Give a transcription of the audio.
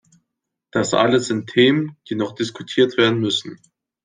Das alles sind Themen, die noch diskutiert werden müssen.